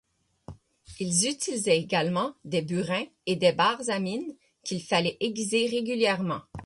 Ils utilisaient également des burins et des barres à mine qu'il fallait aiguiser régulièrement.